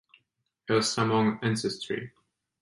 He has Samoan ancestry.